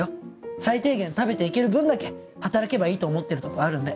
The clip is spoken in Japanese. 最低限食べていける分だけ働けばいいと思ってるとこあるんで。